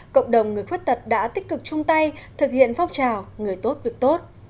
cộng đồng người khuyết tật đã tích cực chung tay thực hiện phong trào người tốt việc tốt